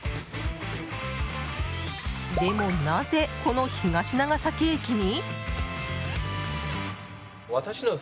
でもなぜ、この東長崎駅に？